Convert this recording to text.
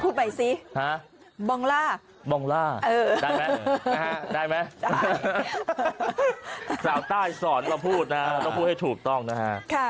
พูดไปซิบองล่าได้ไหมสาวใต้สอนเราพูดนะฮะต้องพูดให้ถูกต้องนะฮะ